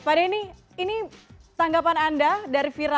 pak denny ini tanggapan anda dari vira